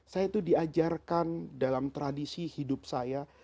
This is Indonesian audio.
saya itu diajarkan dalam tradisi hidup saya